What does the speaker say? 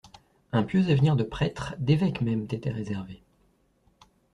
Un pieux avenir de prêtre, d'évêque même t'était réservé.